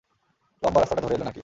লম্বা রাস্তাটা ধরে এলে, নাকি?